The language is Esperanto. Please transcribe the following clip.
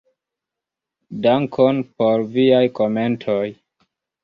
Dankon por viaj komentoj.